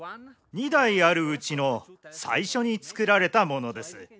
２台あるうちの最初に造られたものです。